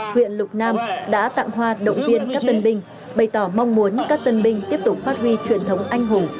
huyện lục nam đã tặng hoa động viên các tân binh bày tỏ mong muốn các tân binh tiếp tục phát huy truyền thống anh hùng